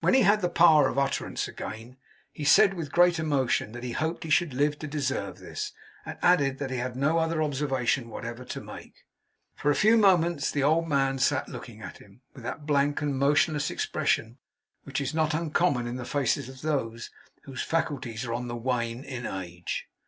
When he had the power of utterance again, he said with great emotion, that he hoped he should live to deserve this; and added, that he had no other observation whatever to make. For a few moments the old man sat looking at him, with that blank and motionless expression which is not uncommon in the faces of those whose faculties are on the wane, in age.